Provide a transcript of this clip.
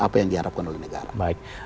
apa yang diharapkan oleh negara